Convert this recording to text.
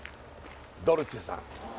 ドルチェさん